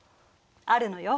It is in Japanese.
あるのよ。